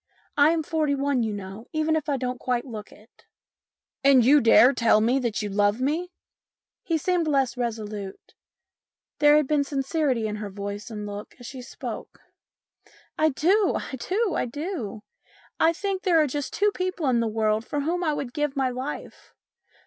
I am forty one, you know, even if I don't quite look it." " And you dare to tell me that you love me ?" He seemed less resolute ; there had been sincerity in her voice and look as she spoke. " I do ! I do ! I do ! I think there are just two people in the world for whom I would give my life.